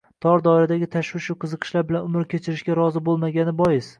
Tor doiradagi tashvishu qiziqishlar bilan umr kechirishga rozi bo‘lmagani bois